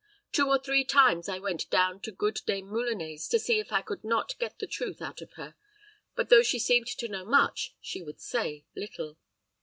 Two or three times I went down to good Dame Moulinet's to see if I could not get the truth out of her; but; though she seemed to know much, she would say little."